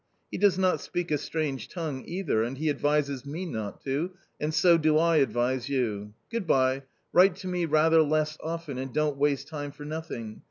He does not speak a strange tongue either and he advises me not to, and so do I advise you. Good bye, write to me rather less often and don't waste time for nothing.